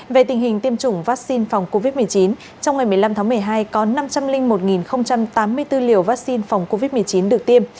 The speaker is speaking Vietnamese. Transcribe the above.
về tình hình tiêm chủng vaccine phòng covid một mươi chín trong ngày một mươi năm tháng một mươi hai có năm trăm linh một tám mươi bốn liều vaccine phòng covid một mươi chín được tiêm